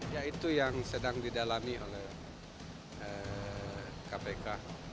ya itu yang sedang didalami oleh kpk